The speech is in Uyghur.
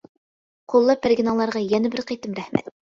قوللاپ بەرگىنىڭلارغا يەنە بىر قېتىم رەھمەت.